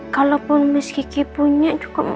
kalaupun miss kiki punya